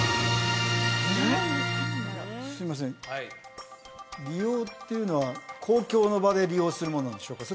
すいません利用っていうのは公共の場で利用するものなんでしょうか？